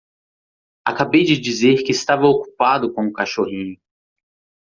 Acabei de dizer que estava ocupado com o cachorrinho.